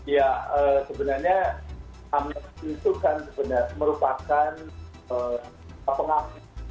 ya sebenarnya amnes itu kan sebenarnya merupakan pengakuan